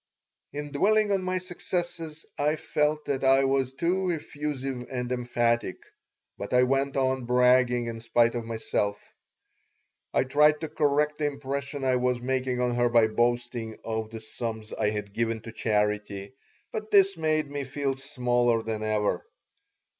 In dwelling on my successes I felt that I was too effusive and emphatic; but I went on bragging in spite of myself. I tried to correct the impression I was making on her by boasting of the sums I had given to charity, but this made me feel smaller than ever.